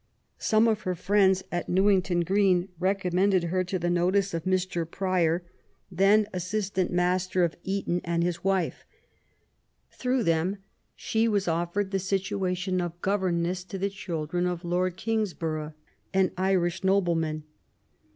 Some of her friends at Newington Green recommended her to the notice of Mr. Prior^ then Assistant Master 4 50 MAEY W0LL8T0NECRAFT GODWIN. at Eton, and his wife. Through them she was ofiered the situation of governess to the children of Lord Kingsborongh, an Irish nobleman.